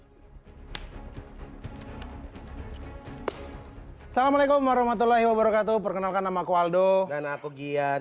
assalamualaikum warahmatullahi wabarakatuh perkenalkan nama aku aldo dan aku giat